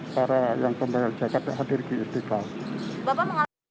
para yang pembayar zakat yang hadir di istiqlal